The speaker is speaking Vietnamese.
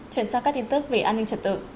chuyển sang các tin tức về an ninh trật tự